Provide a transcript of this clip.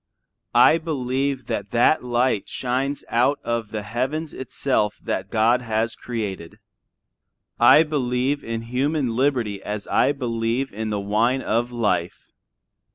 I believe that that light shines out of the heavens itself that God has created. I believe in human liberty as I believe in the wine of life.